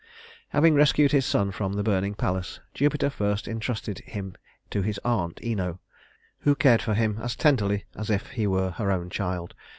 Having rescued his son from the burning palace, Jupiter first intrusted him to his aunt Ino, who cared for him as tenderly as if he were her own child.